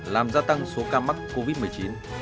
làm gia tăng số ca mắc covid một mươi chín